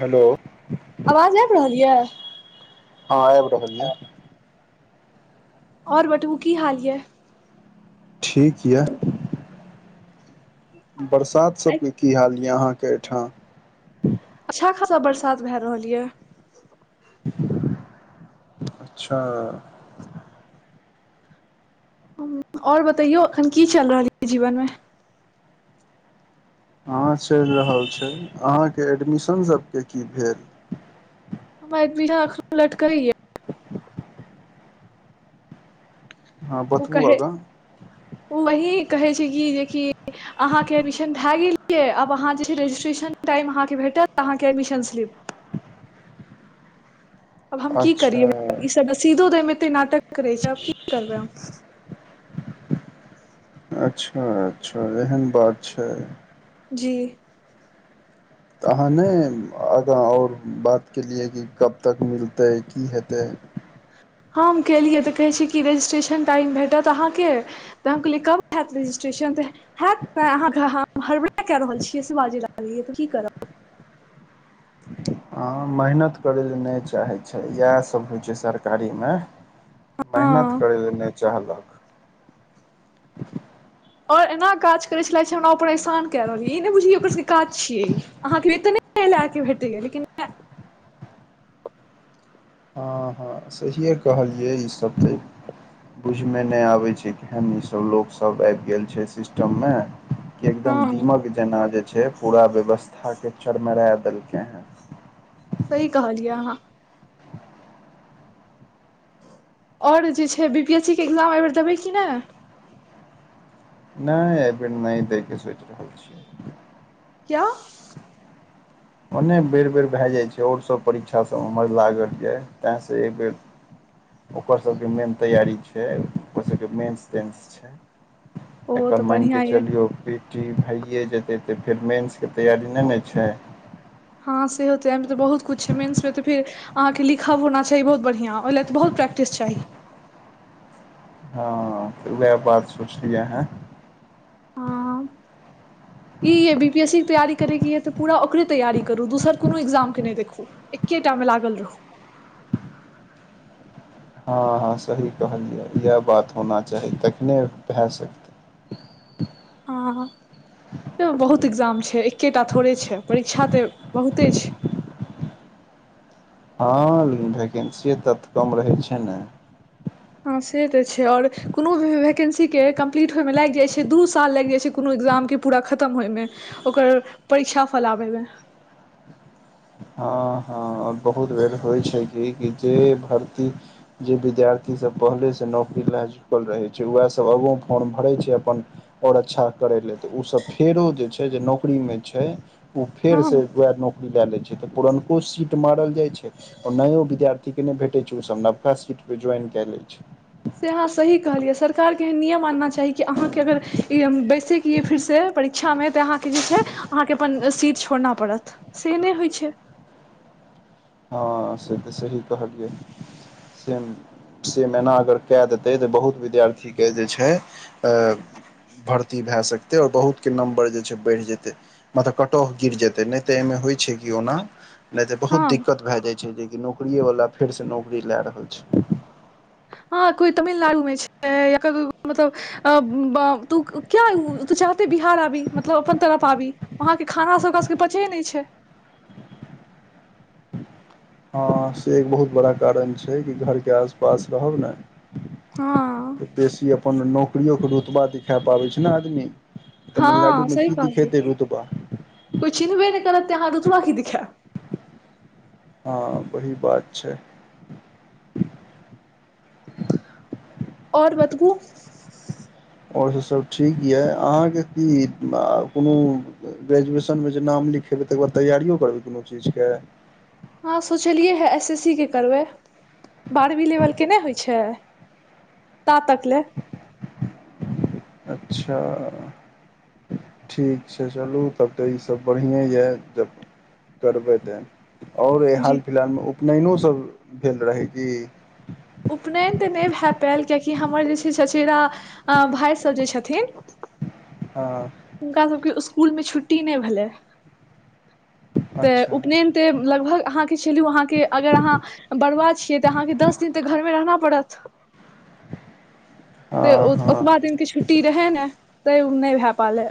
हलो आवाज आबि रहल य हँ आब रहल या आओर बटबू की हाल या ठिक यऽ बरसात सबके की हाल यऽ अहाँकेँ एहिठाम अच्छा खासा बरसात भए रहल ये अच्छा और बतैयो अखन की चल रहल य जीवन मे हँ चल रहल छै अहाँके एडमिशन सबके की भेल [unintelligible] हँ ओ बतबू कहे आगाँ ओही कहै छै कि जेकि आहाँके एडमिशन भए गेलियै आब आहाँ जे रजिस्ट्रेशन टाइम आहाँके भेटत आहाँके एडमिशन स्लीप आब हम की अच्छा करियै ईसभ रसीदो देमे एते नाटक करै छै आब की करबै हम अच्छा अच्छा एहन बात छै जी तऽ अहाँ नहि आगाँ और बात केलिए कि कब तक मिलतै की हेतै हम केलियै तऽ कहै छी कि रजिस्ट्रेशन टाइम भेटत आहाँके त हम कहलिए कब हैत रजिट्रेशन तऽ ह अहाँ हम हरबड़ा कए रहल छियै से बाज त की करहब हँ मेहनत करय लए नहि चाहै छै इएह सब होइ छै सरकारीमे हँ मेहनत करैये नहि चाहलक और एना काज करे छललाे छै हमरा ओ परेशान क रहल य ई नहि बुझलिय ओकर सबके काज छियै ई अहाँके वेतने [unintelligible] के भेटैय लेकिन ह ह ह सहिए कहलियै ईसभ तऽ बुझमे नहि आबैत छैन ईसभ लोकसभ आबि गेल छै सिस्टम मे कि एकदम हँ दीमक जेना जे छै पूरा व्यवस्था के चरमरा देलकै हे सही कहलियै अहाँ और जे छै बी पी एस सी के एक्जाम एहिबेर देबै कि नहि नहि एहि बेेर नहि देखैके सोचि रहल छीयै क्या मने बेर बेर भए जाइत छै आओर सभ परीक्षासभ उमर लागल जाए ताहिसँ एक बेर ओकरसभके मेन तैयारी छै ओकरसभके मेनस ते स छै ओ तऽ एकर मानिके बढ़िआँ यऽ चलियौ कि पीटी भैए जेतै तऽ फेर मेन्सकेँ तैयारी नै न छै हँ सेहो तऽ एहिमे तऽ बहुत किछ छै मेन्समे तऽ फेर अहाँके लिखब होना चाही बहुत बढ़िआँ ओहि ले ए तऽ बहुत प्रक्टिस चाही हँ त वएह बात सोचलिया है कि ए बी पी एस सी के तैयारी करयके यऽ तऽ पूरा ओकरे तैयारी करू दोसर कोनो एक्जाम के नहि देखू ऐके टा म लग रहू हँ हँ सही कहलियै इएह बात होना चाही तखने भए सकै हँ हँ बहुत एग्जाम छै एकेटा थोड़े छै परीक्षा ते बहुते छै हँ लेकिन वैकेन्सिये तत कम रहै छै ने हँ से तऽ छै आओर कोनो भऽ वैकेन्सीके कम्प्लीट होयमे लागि जाइत छै दू साल लागि जाइत छै कोनो एकक्जामके पूरा खतम होयमे ओकर परीक्षा फैलाबे मे ह, ह बहुत बेर होइ छै कि जे भर्त जे विद्यार्थीसभ पहिलेसँ नौकरी लए चुकल रहै छैय उएहसभ आगो फॉर्म भरै छैय अपन। आओर अच्छा करय लेल तऽ ओ सभ फेरो जे छै, जे नौकरीमे छै। फेर से हँ वएह नौकरी लऽ लै छै तऽ पुरनको सी मारल जाइ छै, आ नयो विद्यार्थी के नहि भेटै छै, ओ सभ नबका सीट पे ज्वाइन कऽ लै छै। से अहाँ सही कहलियै, सरकारके एहन नियम आनना चाही कि अहाँकेँ अगर ई हम बैसैके यए फेरसँ परीक्षामे तऽ अहाँकेँ जे छै अहाँकेँ अपन सीट छोड़ना पड़त से नहि होइ छैय। हँ, से तऽ सही कहलियै सेम से मैना अगर कए देतै तऽ बहुत विद्यार्थी के जे छै भर्ती भए सकतै आओर बहुत के नम्बर जे छै बढ़ि जेतै मतलब कटौह गिर जेतै नहि त एहिमे होइत छै कि ओना। नहि तऽ बहुत हँ दिक्कत भऽ जाइत छै, जेकि नौकरीवला फेरसँ नौकरी लऽ रहल छै। ह कोई तमिलनाडु मे छै या क मतलब अ ब तू क्य तू चाहते बिहार आबी मतलब अपन तरफ आबी। वहाँके खाना सब ओकरा सबके पचे नहि छै। हँ, से एक बहुत बड़ा कारण छै कि घरके आसपास रहब ने हँ बेसी अपन नौकरियो के रुतबा दिखा पाबै छै ने आदमी हँ तमिलनाडु मे सही की दिखेतै कहलियै रूतबा कोइ चिन्हबे नै करत तँ अहाँ रुतबा की दिखैब हँ, वही बात छै। आओर बतबू और सभ ठीक यए अहाँकेँ कि कोनो ग्रेजुएशनमे जे नाम लिखेबै तकर बाद तैयारियो करबै कोनो चीजके हँ, सोचलियै हँ, एसएससी के करबै। बारहवीं लेवल के नहि होइ छै? त तक लै अच्छा। ठीक छै चलू तब तऽ ईसभ बढ़िए यए जब करबै तऽ और जी हाल फिलहाल मे उपनयनो सभ भेल रहै कि उपनयन तऽ नहि भए पायल कियकि हमर जे छै चचेरा भाय सभ जे छथिन हँ हुनका सभके स्कूलमे छुट्टी नहि भेलै तऽ अच्छा उपनयन। तऽ लगभग अहाँके चलू अहाँके अगर अहाँ बरुआ छियै तऽ अहाँके दस दिन तऽ घर मे रहना पड़त हँ तऽ ओ हँ ओतबा दिन के छुटी रहै ने तैं उ नै भे पालै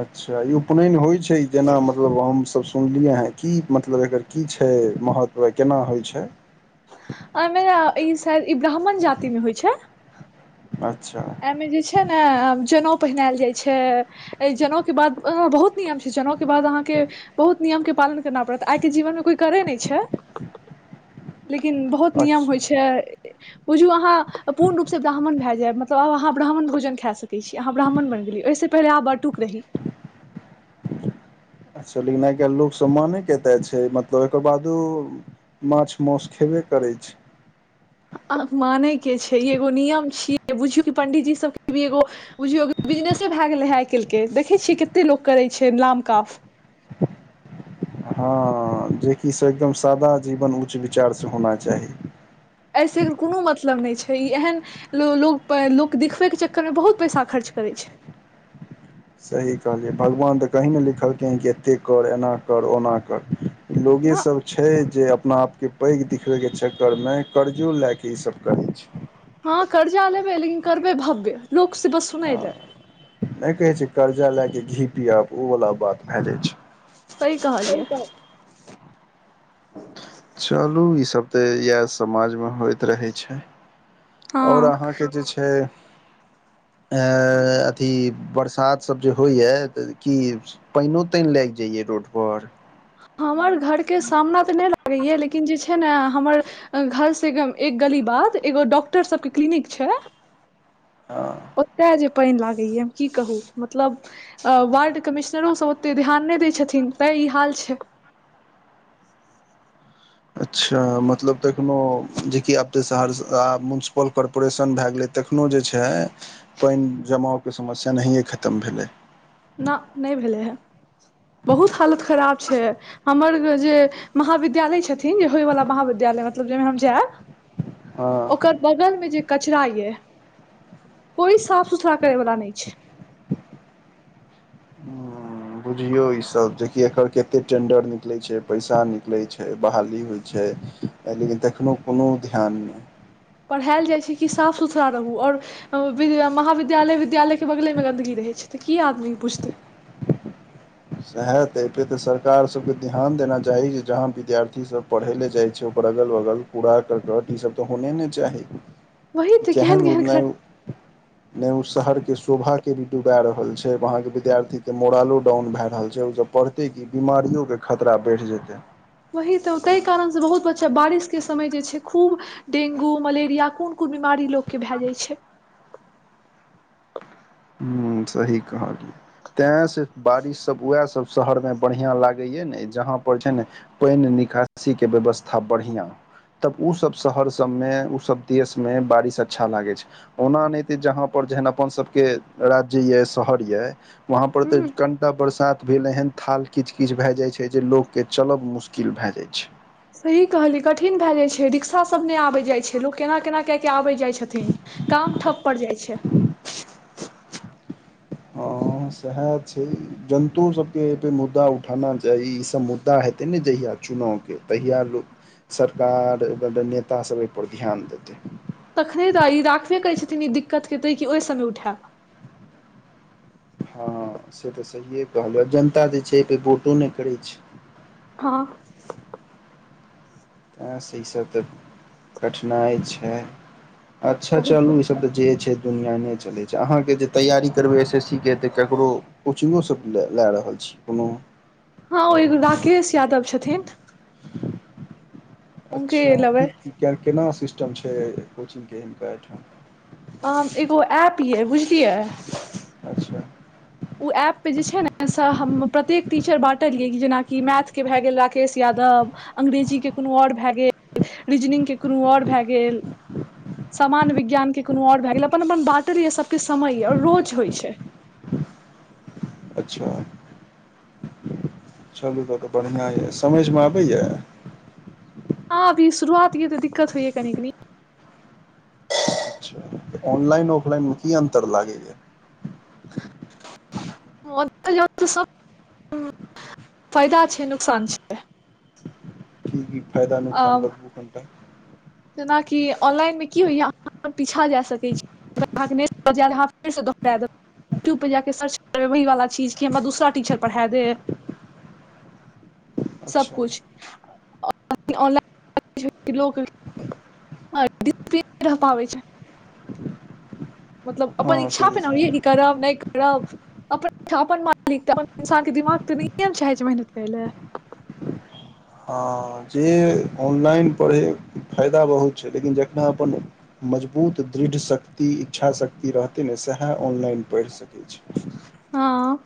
अच्छा ई उपनयन होइ छै जेना मतलब हमसभ सुनलियै हँ, मतलब एकर की छै? महत्व केना होइ छै? अहाँ, ई शायद ब्राह्मण जातिमे होइ छै। अच्छा एहिमे जे छै ने, जनेऊ पहिनेल जाइत छै। जनउके बाद ओ बहुत नियम छै जनउके बाद अहाँके बहुत नियमके पालन करना पड़ैत आइके जीवनमे। कोइ करै नहि छै, लेकिन बहुत बहुत नियम होई अच्छा छै बुझु आहा पुरन रूप साथ बढ़ा मन भजेब तब अहाँ ब्राह्मण भोजन खा सकैत छी अहाँ ब्राह्मण बनि गेलि ओहिसँ पहिने आहाँ बटुक रही [inaudible] अच्छा, लेकिन आइ-काल्हि लोकसभ मान कते छै? मतलब एकर बादो। माछ मासँ खेबे करै छै। आब मानै के छै, एगो नियम छियै बुझियौ, कि पंडितजी सभके भी एगो। बुझियौ बिजनेसँ भए गेलै हे आइ काल्हिके देखैत छियै कतेक लोक करैत छै नाम काफ ह जेकि से एकदम सादा जीवन उच्च विचारसँ होना चाही एहिसँ एकर कोनो मतलब नहि छै, ई एहन अछि। लोक लोक देखबे के चक्करमे बहुत पैसा खर्च करै छै सही कहलियै भगवान तऽ कहीँ ने लिखलकिन हँ कि एते कर एना कर ओना कर लोगे न सभ छै जे अपना आपके पैघ दिखबैके चक्करमे कर्जो लए कऽ ई सभ करै छै ह, कर्जा लेबै लेकिन करबै भव्य लोक से बस सुनैले। नै कहै छै कर्जा लए के घी पिआबू ओ वला बात भए जाइ छै सही कहलियै। चलू इ सभ तऽ इएह समाज मे होइत रहै छै हँ और अहाँकेँ जे छै हे अथी बरसात सब जे होइया तऽ की पानि तानि लागी जइयए रोड पर? हमर घर के सामना तऽ नहि लागैया लेकिन जे छै ने हमर घर से एक गली बाद एगो डॉक्टर सभके क्लीनिक छै हँ ओतय जे पानि लागै ये, हम की कहू, मतलब वार्डमे। कमिश्नरो सभ ओतेक ध्यान नहि दैत छथिन, तैँ ई हाल छै। अच्छा मतलब तखनो जेकि आब तऽ सहरसा मुन्सिपल कॉर्पोरेशन भए गेलैऽ तखनो जे छै पानि जमाव के समस्या नहि खतम भेलै। ना नहि भेलै हँ बहुत हालत खराब छै हमर जे महाविद्यालय छथिन जे होय वला महाविद्यालय मतलब जाहिमे हम जायब हँ ओकर बगल मे जे कचरा ये कोई साफ सुथरा करे वाला नहि छै। [inaudible] बुझियौ ईसभ जेकि एकर केते टेंडर निकलै छै पैसा निकलै छै बहाली होइ छै एलये लेकिन तखनो कोनो ध्यान नै पढ़ायल जाइ छै कि साफ सुथरा रहूँ ओर महाविद्यालय विद्यालय के बगले मे गन्दगी रहै छै तऽ की आदमी पुछतै [unintelligible] सेहा तऽ एहिपे तऽ सरकार सभके ध्यान देना चाही जे जहाँ विद्यार्थीसभ पढ़ै ले जाइ छै ओकर अगल बगल कूड़ा करकट ई सभ तऽ होने ने चाही वही तऽ चहन केहन केहन खराब उतनाय [unintelligible] नहि उ शहर के शोभा के भी डूबा रहल छैय वहांके विद्यार्थीके मोड़ालो डाउन भय रहल रहल छै ओ जे पढ़तै कि बिमारियो के खतरा बढ़ि जेतै। वही तऽ ताहि कारणसँ बहुत बच्चा बारिश के समय जे छै खूब डेगू मलेरिया कोन कोन बीमारी लोक के भए जाइत छै हूँ सही कहलिये तैस बारिश सभ उएह सभ शहरमे बढ़िया लागैय ने जहा पर छै ने पानि निकासी के व्यवस्था बढ़िया तब उ सभ शहर सभमे उ सभ देश मे बारिश अच्छा लागे छै ओना नहि ते जहा पर जेहन अपन सभके राज्य ये शहर ये, ओतय पर तऽ ह कनिकटा बरसात। भेल एहन थाल किछु किछु भऽ जाइ छै जे लोकके चलब मुश्किल भए जाइ छै सही कहलियै कठिन भए जाइत छै रिक्शासभ नहि आबैत जाइत छै लोक केना केना कए कऽ आबैत जाइत छथिन काम ठप पड़ जाइत छै हँ, सएह छै। जनताके सबके परे मुद्दा उठेबाक चाही, ई सभ मुद्दा हेतै ने जहिया। चुनावके तहिया लोक सरकार नेता सब एहि पर ध्यान देतै तखने तऽ ई राखबे करैत छथिन ई दिक्कतके तऽ कि ओहि समय उठायब हँ से तऽ सहिए कहलियै आब जनता जे छै एहिपर वोटो नहि करैत छै हँ तें सँ इसभ तऽ कठिनाइ छै अच्छा बहुत चलू ईसभ बड़का, तऽ जे छै दुनिया नहि चलैत छै अहाँके जे तैयारी करबै एस एस सी के तऽ केकरो कोचिंगो सभ लऽ रहल छी कोनो हँ यो एगो राकेश यादव छथिन हुनके अच्छा लेबै की केना सिस्टम छै कोचिंगके हिनका एहिठाम आ एगो ऐप ये बुझलियै अच्छा ओ ऐपपर जे छै ने से हम प्रत्येक टीचर बाँटलियै कि जेनाकि मैथके भए गेल राकेश यादव अंग्रेजीके कोनो आओर भए गेल रीजनिंगके कोनो आओर भए गेल सामान्य विज्ञान के कोनो आओर भए गेल अपन अपन बाँटल या सबके समय या रोज होइ छै अच्छा चलू तऽ तऽ बढ़िआँ यऽ समझमे आबैए हँ अभी शुरुआत हए तऽ दिक्तइ है कनी कनी अच्छा ऑनलाइन ऑफलाइन मे की अन्तर लागे ये म तऽ [unintelligible] सब फायदा छै नुकसान छै ठीक [unintelligible] फायदा नुकसान बतबू त जेनाकि ऑनलाइन मे की होइया अहाँ पीछा जा सकैत छी अहाँ फेरसँ दोहरा देबय यूट्यूब परे जाकेऽ सर्च करबै वही वाला चीज कि हमरा दूसरा टीचर पढ़ा देत अच्छा सबकुछ ऑनलाइन [inaudible] [unintelligible] पाबै छै [unintelligible] मतलब हँ अपन इच्छा से पे तऽ ने सही यही करब नहि करब अपन मालिक तऽ अपन इन्सानके दिमाग तऽ नहिए ने चाहैत छै मेहनत करै लए हँ जे ऑनलाइन पढ़य फायदा बहुत छै लेकिन जखन अपन मजबूत दृढ़ शक्ति इच्छाशक्ति रहतै ने सएह ऑनलाइन पढ़ि सकैत छी हँ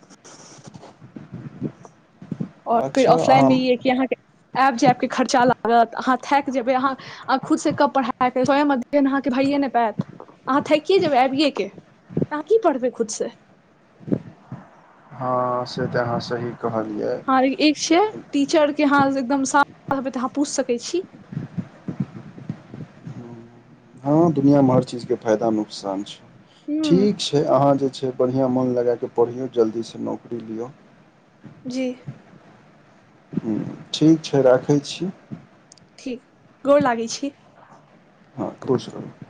आओर फेर अच्छा अहाँ ऑफलाइनमे ई यए कि अहाँके आबि जायबके खर्चा लागत अहाँ थाकि जेबय अहाँ आ खुद सँ कब पढ़ब स्वयं अध्ययन अहाँके भइये नहि पायत, अहाँ थकि जेबय आबिये के अहाँ की पढ़बै खुद से हँ से तऽ हँ अहाँ सही कहलियै ह एक छै टीचर के हं एकदम सामने अहाँ पूछ सके छी हँ दुनियामे हर चीजके फायदा नुकसान छै हूँ ठीक छै अहाँ जे छै बढ़िआँ मन लग कऽ पढ़ियौ जल्दीसँ नौकरी लि हा ह ठीक छै राखै छी ठीक गोर लागै छी हँ खुश रहु